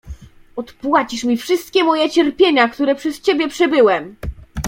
"Odpłacisz mi wszystkie moje cierpienia, które przez ciebie przebyłem!"